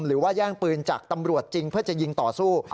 หรือว่าแย่งปืนจากตำรวจจริงเพื่อจะยิงต่อสู้